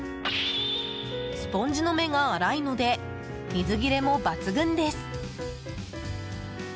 スポンジの目が粗いので水切れも抜群です。